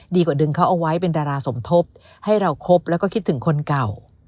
ดีกว่าดึงเขาเอาไว้เป็นดาราสมทบให้เราคบแล้วก็คิดถึงคนเก่า